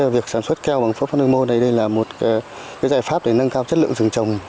việc sản xuất keo bằng pháp pháp nương mô này là một giải pháp để nâng cao chất lượng rừng trồng